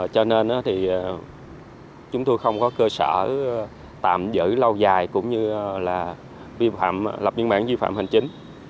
cho nên chúng tôi không có cơ sở tạm giữ lâu dài cũng như là lập viên bản vi phạm hành chính